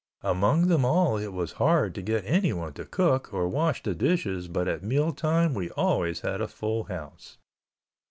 Among them all it was hard to get anyone to cook or wash the dishes but at meal time we always had a full house.